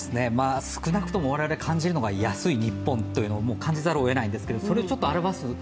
少なくとも我々感じるのが安い日本というのを感じざるをえないんですがそれを表す